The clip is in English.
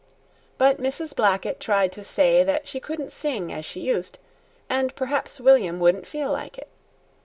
But Mrs. Blackett tried to say that she couldn't sing as she used, and perhaps William wouldn't feel like it.